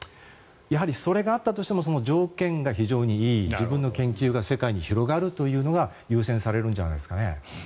やはりそれがあったとしても条件が非常にいい自分の研究が世界に広がるというのが優先されるんじゃないですかね。